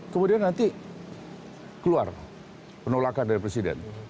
kemudian nanti keluar penolakan dari presiden